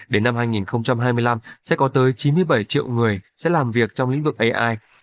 đến năm hai nghìn hai mươi năm sẽ có tới chín mươi bảy triệu người sẽ làm việc trong lĩnh vực ai